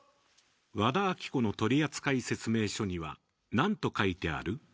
和田アキ子の取扱説明書には何と書いてある？